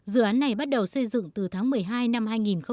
dự án này bắt đầu xây dựng từ tháng một mươi hai năm hai nghìn một mươi bảy